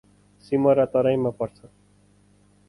सिमरा तराईमा पर्छ ।